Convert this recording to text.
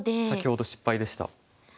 先ほど失敗でした。